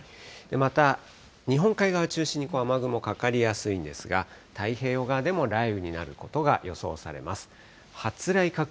また、日本海側中心に雨雲かかりやすいんですが、太平洋側でも雷雨になることが予想されます。